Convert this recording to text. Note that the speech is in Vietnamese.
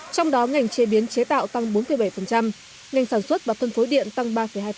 trong đó ngành chế biến chế tạo tăng bốn bảy ngành sản xuất và phân phối điện tăng ba hai